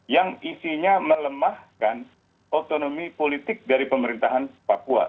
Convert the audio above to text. yang isinya melemahkan otonomi politik dari pemerintahan papua